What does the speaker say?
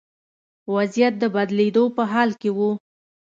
وضعیت د بدلېدو په حال کې و.